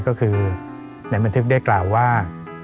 ก็คือในบันทึกได้กล่าวว่า